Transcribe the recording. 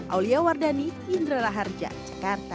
aulia wardani indra raharja jakarta